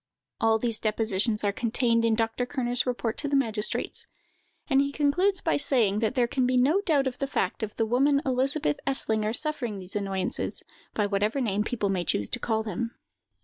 All these depositions are contained in Dr. Kerner's report to the magistrates; and he concludes by saying, that there can be no doubt of the fact of the woman Elizabeth Eslinger suffering these annoyances, by whatever name people may choose to call them.